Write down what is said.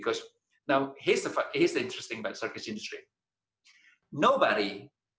karena sekarang ini yang menarik tentang industri kering